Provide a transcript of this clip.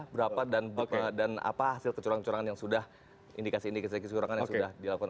berapa dan apa hasil kecurangan kecurangan yang sudah indikasi indikasi kecurangan yang sudah dilakukan